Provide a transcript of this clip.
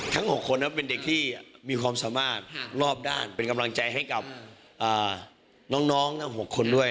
๖คนเป็นเด็กที่มีความสามารถรอบด้านเป็นกำลังใจให้กับน้องทั้ง๖คนด้วย